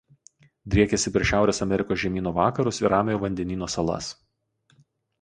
Driekiasi per Šiaurės Amerikos žemyno vakarus ir Ramiojo vandenyno salas.